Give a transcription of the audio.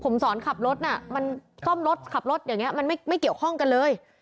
ผมสอนขับรถน่ะมันซ่อมรถขับรถอย่างนี้มันไม่เกี่ยวข้องกันเลย